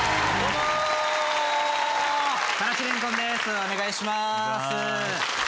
お願いします。